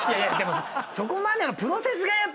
そこまでのプロセスが。